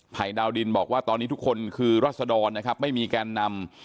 ดาวดินบอกว่าตอนนี้ทุกคนคือรัศดรนะครับไม่มีแกนนำ